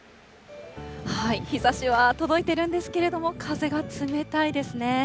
日ざしは届いているんですけれども、風が冷たいですね。